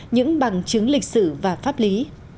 những bằng chứng lịch sử và pháp lý